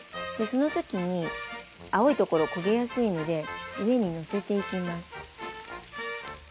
その時に青いところ焦げやすいので上にのせていきます。